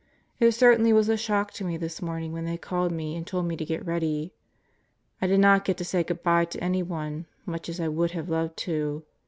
It certainly was a shock to me this morning when they called me and told me to get ready. I did not get to say good by to anyone, much as I would have loved to.